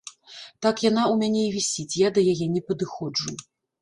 Так яна ў мяне і вісіць, я да яе не падыходжу.